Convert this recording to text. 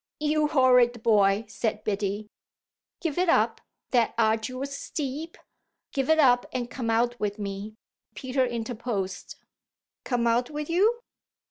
"You horrid boy!" said Biddy. "Give it up, that arduous steep give it up and come out with me," Peter interposed. "Come out with you?"